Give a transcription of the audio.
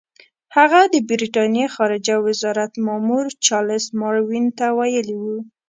هغه د برټانیې خارجه وزارت مامور چارلس ماروین ته ویلي وو.